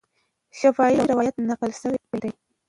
شفاهي روایت نقل سوی دی.